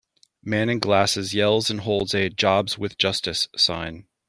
Man in glasses yells and holds a JOBS WITH JUSTICE sign.